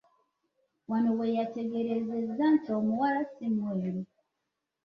Wano we yategeerezza nti omuwala ssi mweru.